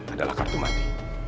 adalah kartu mati